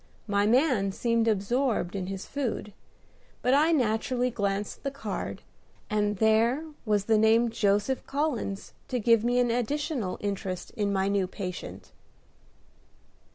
My man seemed absorbed in his food; but I naturally glanced at the card, and there was the name "Joseph Collins" to give me an additional interest in my new patient.